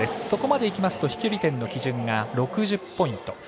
そこまでいきますと飛距離点の基準が６０ポイント。